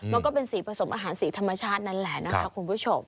ก็เป็นสีผสมอาหารสีธรรมชาตินั่นแหละนะคะคุณผู้ชม